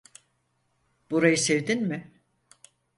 Burayı sevdin mi?